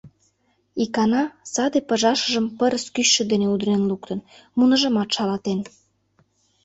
Икана саде пыжашыжым пырыс кӱчшӧ дене удырен луктын, муныжымат шалатен.